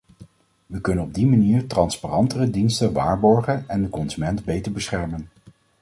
We kunnen op die manier transparantere diensten waarborgen en de consument beter beschermen.